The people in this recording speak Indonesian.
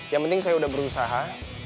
yang penting saya sudah berusaha